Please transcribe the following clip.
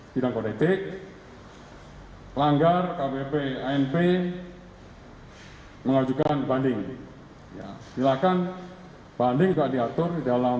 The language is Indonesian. bidang politik langgar kbp anp mengajukan banding silakan banding tidak diatur dalam